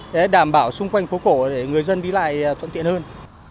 để đảm bảo xung quanh phố cổ để người dân đi lại thuận tiện hơn